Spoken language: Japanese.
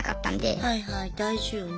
はいはい大事よね。